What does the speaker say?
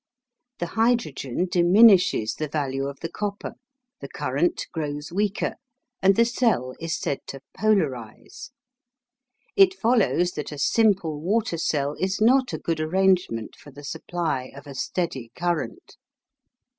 The hydrogen diminishes the value of the copper, the current grows weaker, and the cell is said to "polarise." It follows that a simple water cell is not a good arrangement for the supply of a steady current.